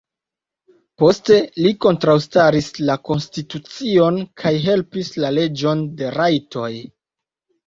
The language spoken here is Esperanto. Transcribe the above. Poste, li kontraŭstaris la konstitucion kaj helpis la leĝon de rajtoj.